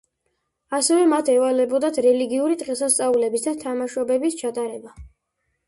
ასევე მათ ევალებოდათ რელიგიური დღესასწაულების და თამაშობების ჩატარება.